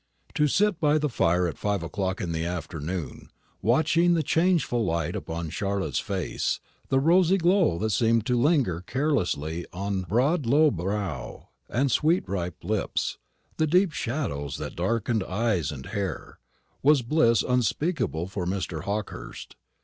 To sit by the fire at five o'clock in the afternoon, watching the changeful light upon Charlotte's face, the rosy glow that seemed to linger caressingly on broad low brow and sweet ripe lips, the deep shadows that darkened eyes and hair, was bliss unspeakable for Mr. Hawkehurst.